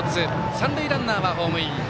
三塁ランナーはホームイン。